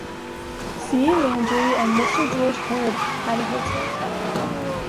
C. Landry and Mr. George Heard had a hotel.